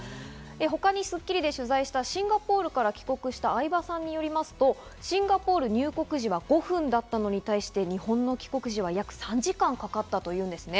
他に『スッキリ』で取材した、シンガポールから帰国した相場さんによりますと、シンガポール入国時は５分だったのに対して日本の帰国時は約３時間かかったというんです。